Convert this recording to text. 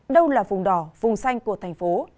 đâu là vùng đỏ vùng xanh của thành phố